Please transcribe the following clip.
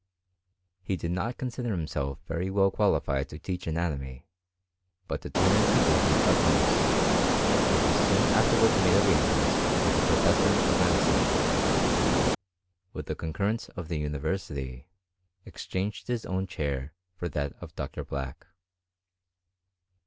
He d consider himself very well qualified to teach ani but determined to do his utmost ; but he soon wards made arrangements with the professor of cine, who, with the concurrence of the unit exchanged his own chair for that of Dr. Black.